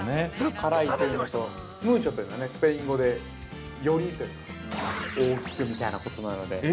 ◆辛いというのと、ムーチョというのは、スペイン語で、よりというか、大きくみたいなことなので。